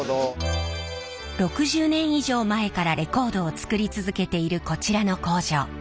６０年以上前からレコードを作り続けているこちらの工場。